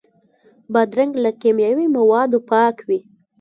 بادرنګ له کیمیاوي موادو پاک وي.